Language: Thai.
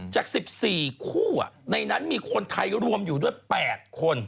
จาก๑๔คู่ในนั้นมีคนไทยรวมอยู่ด้วย๘คน